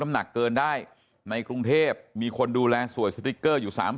หนักเกินได้ในกรุงเทพมีคนดูแลสวยสติ๊กเกอร์อยู่๓๐